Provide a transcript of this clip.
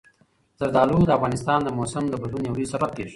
زردالو د افغانستان د موسم د بدلون یو لوی سبب کېږي.